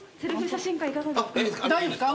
大丈夫ですか